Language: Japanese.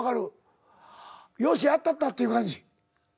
よっしゃやったったっていう感じ？